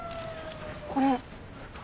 これ。